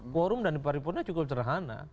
kuorum dan paripurna cukup cerhana